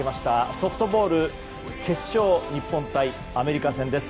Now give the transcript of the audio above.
ソフトボール決勝日本対アメリカ戦です。